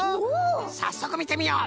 さっそくみてみよう！